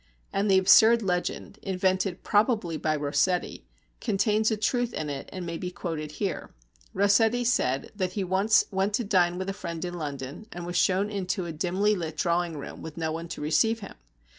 And the absurd legend, invented probably by Rossetti, contains a truth in it and may be quoted here. Rossetti said that he once went to dine with a friend in London, and was shown into a dimly lit drawing room with no one to receive him.